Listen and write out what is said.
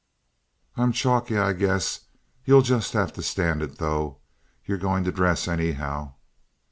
"I am chalky, I guess. You'll just have to stand it, though. You're going to dress, anyhow."